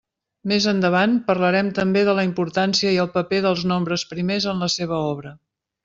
Més endavant parlarem també de la importància i el paper dels nombres primers en la seva obra.